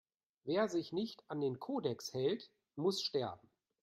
Wer sich nicht an den Kodex hält, muss sterben!